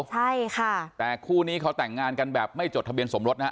ใช่ค่ะแต่คู่นี้เขาแต่งงานกันแบบไม่จดทะเบียนสมรสนะฮะ